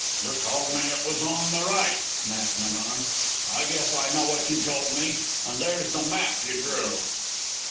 "You told me it was on the right," Matt went on. "I guess I know what you told me, an' there's the map you drew."